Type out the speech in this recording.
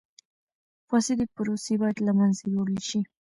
فاسدی پروسې باید له منځه یوړل شي.